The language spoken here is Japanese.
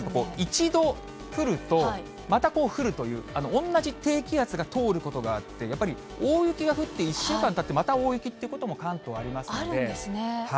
一度降ると、また降るという、同じ低気圧が通ることがあって、やっぱり大雪が降って、１週間たってまた大雪ということも関東ああるんですね。